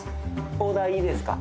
オーダーいいですか？